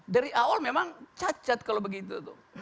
dari awal memang cacat kalau begitu tuh